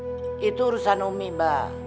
mendingan ngurusin penerimaan pegawai warung kita